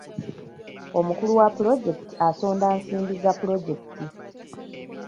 Omukulu wa pulojekiti asonda nsimbi za pulojekiti.